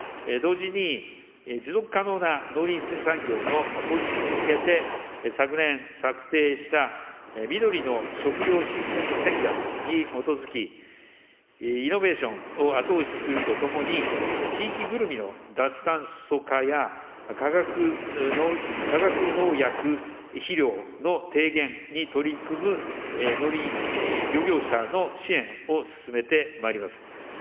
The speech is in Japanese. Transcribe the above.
同時に、持続可能な農林水産業の構築に向けて、昨年策定した、みどりの食料システム戦略に基づき、イノベーションを後押しするとともに、地域ぐるみの脱炭素化や、化学農薬肥料の低減に取り組む農林・漁業者の支援を進めてまいります。